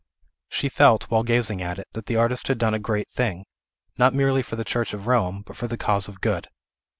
She felt, while gazing at it, that the artist had done a great thing, not merely for the Church of Rome, but for the cause of Good.